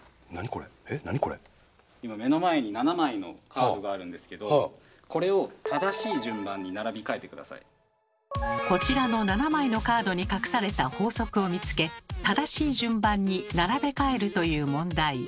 今目の前に７枚のカードがあるんですけどこれをこちらの７枚のカードに隠された法則を見つけ正しい順番に並べ替えるという問題。